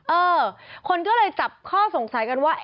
เออคนก็เลยจับข้อสงสัยกันว่า